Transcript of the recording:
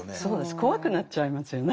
怖くなっちゃいますよね。